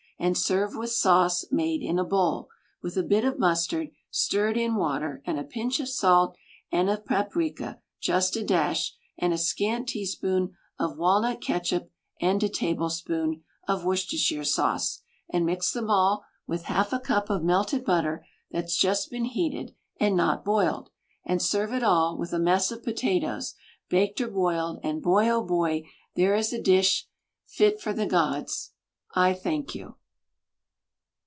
And serve with sauce. Made in a bowl. With a bit of mustard. Stirred in water. And a pinch of salt. And of paprika. Just a dash. And a scant teaspoon. Of Walnut catsup. And a tablespoon. THE STAC COOK BOOK Of Worcestershire sauce. And mix them all. With half a cup. Of melted butter. That's just been heated. And not boiled. And serve it all. With a mess of potatoes. Baked or boiled. And boy, oh, boy! There is a dish. Fit for the gods! I thank you.